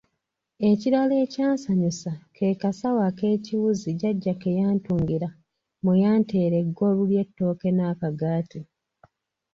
Ekirala ekyansanyusa ke kasawo ek'ekiwuzi jjajja ke yantungira mwe yanteera Eggwolu ly'ettooke n'akagaati.